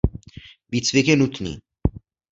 Výcvik je nutný.